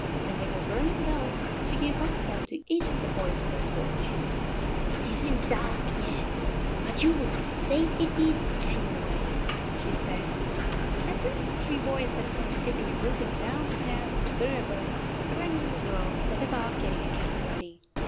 When they were burn ing well, she gave one of them to each of the boys for a torch. " It is n t dark yet, but you will be safer with these, anyway," she said. As soon as the three boys had gone skip ping and whooping down the path to the river, Grannie and the girls set about get ting a kettle ready.